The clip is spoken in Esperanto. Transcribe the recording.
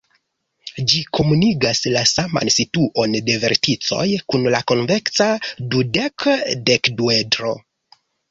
Ĝi komunigas la saman situon de verticoj kun la konveksa dudek-dekduedro.